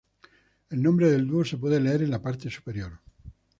El nombre del dúo se puede leer en la parte superior.